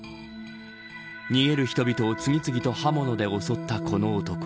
逃げる人々を次々と刃物で襲ったこの男